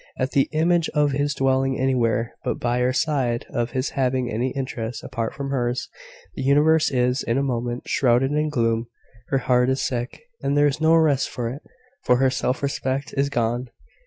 At the image of his dwelling anywhere but by her side, of his having any interest apart from hers, the universe is, in a moment, shrouded in gloom. Her heart is sick, and there is no rest for it, for her self respect is gone.